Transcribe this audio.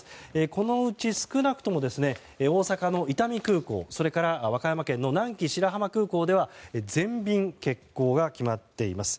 このうち少なくとも大阪の伊丹空港それから和歌山県の南紀白浜空港では全便欠航が決まっています。